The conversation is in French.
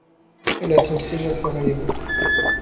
Elle a son siège à Sarajevo.